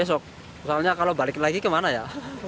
soalnya kalau balik lagi kemana ya